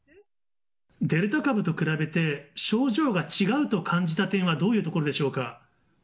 デルタ株と比べて、症状が違うと感じた点はどういうところでしょうか。